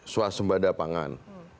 suas sembada pangan